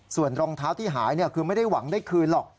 ส่วนรองเท้าที่หายคือไม่ได้หวังได้คืนหรอก